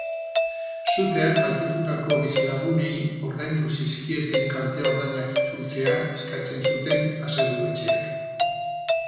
Suteak kaltetutako bizilagunei ordaindu zizkieten kalte-ordainak itzultzea eskatzen zuten aseguru-etxeak.